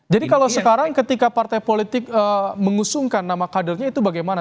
jadi kalau sekarang ketika partai politik mengusungkan nama kadernya itu bagaimana